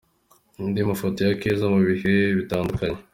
Andi mafoto ya Keza mu bihe bitandukanye.